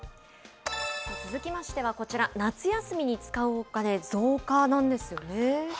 続きましてはこちら、夏休みに使うお金増加なんですよね。